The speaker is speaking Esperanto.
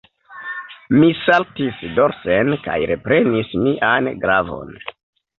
Mi saltis dorsen kaj reprenis mian glavon.